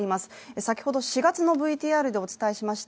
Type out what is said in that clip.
先ほど４月のＶＴＲでお伝えしました